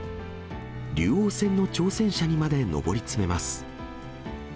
竜王戦の挑戦者にまで上り詰めます。